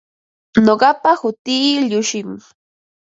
Nuqapa hutii Llushim.